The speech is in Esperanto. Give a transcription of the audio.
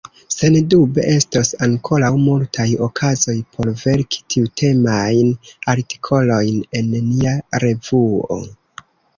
Sendube estos ankoraŭ multaj okazoj por verki tiutemajn artikolojn en nia revuo.